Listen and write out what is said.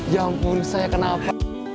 ya ampun saya kenapa